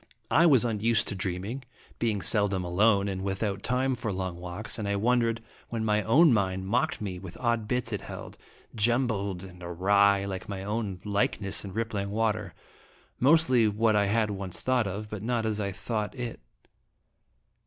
I was unused to dreaming, being seldom alone and without time for long walks, and I wondered when my own mind mocked me with odd bits it held, jumbled and awry, like my own like ness in rippling water, mostly what I had once thought of, but not as I thought it.